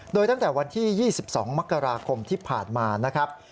โดยตั้งแต่วันที่๒๒มกราคมที่ผ่านมานะครับ